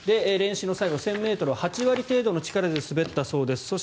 練習の最後、１０００ｍを８割程度の力で滑ったそうです。